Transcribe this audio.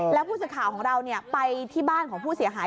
แล้วผู้สื่อข่าวของเราไปที่บ้านของผู้เสียหาย